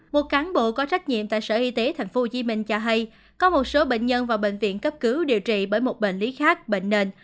một cán bộ có trách nhiệm tại sở y tế tp hcm cho hay có một số bệnh nhân vào bệnh viện cấp cứu điều trị bởi một bệnh lý khác bệnh nền